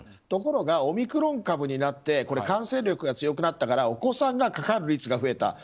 ところがオミクロン株になって感染力が強くなったからお子さんがかかる率が増えた。